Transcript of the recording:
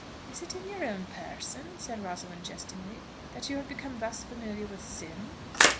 "Is it in your own person," said Rosalind jestingly, "that you have become thus familiar with sin?"